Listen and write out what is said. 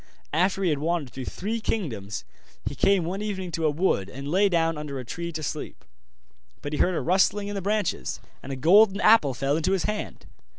After he had wandered through three kingdoms, he came one evening to a wood, and lay down under a tree to sleep. But he heard a rustling in the branches, and a golden apple fell into his hand.